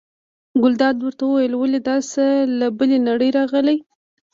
ګلداد ورته وویل: ولې دا څه له بلې نړۍ راغلي.